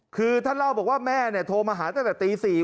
คือท่านเล่าบอกว่าแม่โทรมาหาตั้งแต่ตี๔